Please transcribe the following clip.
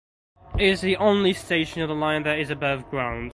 It is the only station of the line that is above ground.